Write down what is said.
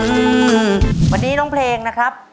เธอไม่เคยโรศึกอะไร